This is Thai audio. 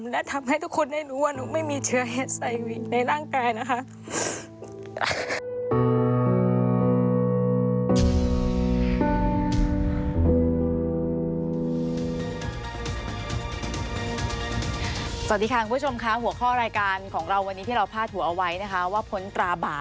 และทำให้ทุกคนได้รู้ว่า